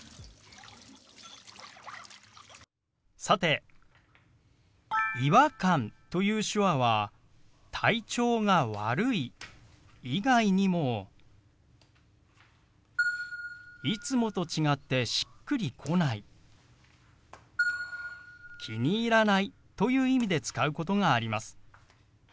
さて「違和感」という手話は「体調が悪い」以外にも「いつもと違ってしっくりこない」「気に入らない」という意味で使うことがあります。